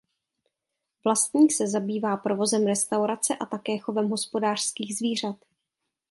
Vlastník se zabývá provozem restaurace a také chovem hospodářských zvířat.